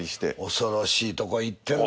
恐ろしいとこ行ってるな。